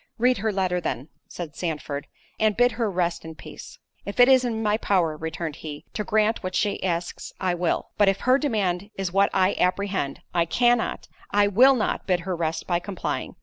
"Read her letter then," said Sandford, "and bid her rest in peace." "If it is in my power," returned he, "to grant what she asks, I will—but if her demand is what I apprehend, I cannot, I will not, bid her rest by complying.